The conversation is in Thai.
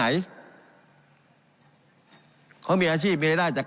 การปรับปรุงทางพื้นฐานสนามบิน